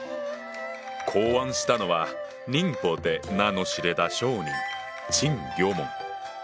考案したのは寧波で名の知れた商人陳魚門。